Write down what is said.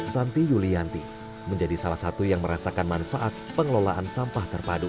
santi yulianti menjadi salah satu yang merasakan manfaat pengelolaan sampah terpadu